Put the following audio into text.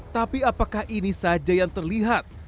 tapi apakah ini saja yang terlihat